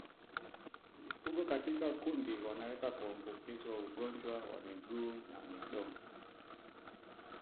Mifugo wote katika kundi wanaweza kuambukizwa ugonjwa wa miguu na midomo